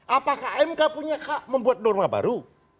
apakah mk punya hak membuat norma baru